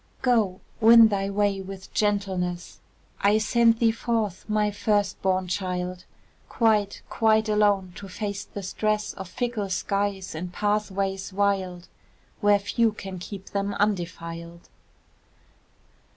Go! win thy way with gentleness: I send thee forth, my first born child, Quite, quite alone, to face the stress Of fickle skies and pathways wild, Where few can keep them undefiled.